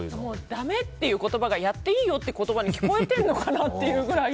だめっていう言葉がやっていいよという言葉に聞こえてるのかなってぐらい。